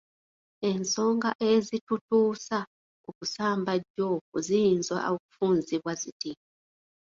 Ensonga ezitutuusa ku kusambajja okwo ziyinza okufunzibwa ziti.